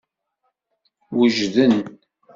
Wejden.